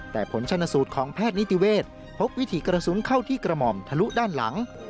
แต่ผลชนสูตรของแพทย์นิติเวศพบวิถีกระสุนเข้าที่กระหม่อมทะลุด้านหลัง